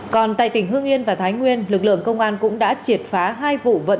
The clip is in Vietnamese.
còn tại tỉnh hương yên và thái nguyên lực lượng công an cũng đã triệt phá hai vụ vận chuyển